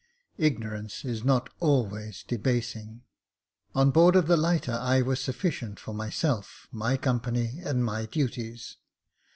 Ignorance is not always debasing. On board of the lighter, I was sufficient for myself, my company, and my duties.